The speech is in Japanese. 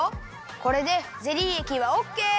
これでゼリーえきはオッケー！